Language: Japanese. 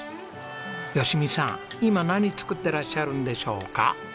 今何作ってらっしゃるんでしょうか？